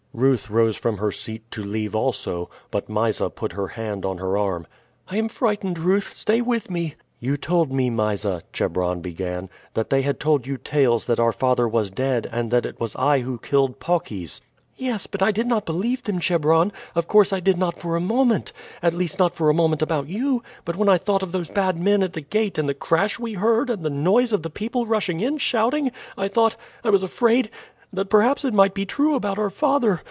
Ruth rose from her seat to leave also, but Mysa put her hand on her arm. "I am frightened, Ruth; stay with me." "You told me, Mysa," Chebron began, "that they had told you tales that our father was dead, and that it was I who killed Paucis." "Yes; but I did not believe them, Chebron. Of course I did not for a moment at least not for a moment about you. But when I thought of those bad men at the gate, and the crash we heard, and the noise of the people rushing in shouting, I thought I was afraid that perhaps it might be true about our father.